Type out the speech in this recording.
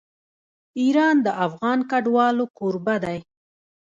ایران د افغان کډوالو کوربه دی.